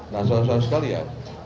nah saya mau sekali ya